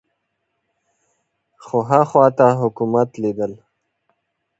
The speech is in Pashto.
خو ها خوا ته حکومت لیدل